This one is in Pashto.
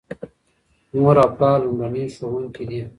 مور او پلار لومړني ښوونکي دي.